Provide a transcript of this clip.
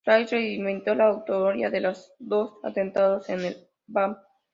Daesh reivindicó la autoría de dos atentados en Al Bab.